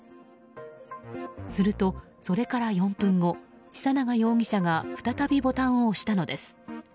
すると、それから４分後久永容疑者が再びボタンを押したのです。